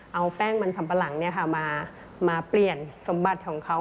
เอาแป้งมันสัมปะหลังมาเปลี่ยนสมบัติของเขา